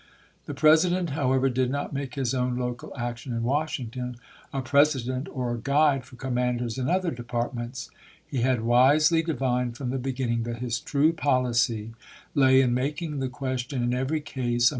The President, however, did not make his own local action in Washington a precedent or guide for commanders in other departments. He had wisely divined from the beginning that his true policy lay in making the question in every case a 392 ABKAHAM LINCOLN ch.